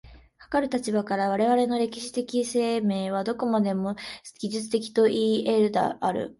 かかる立場から、我々の歴史的生命はどこまでも技術的といい得るであろう。